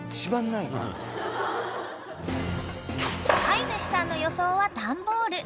［飼い主さんの予想はダンボール］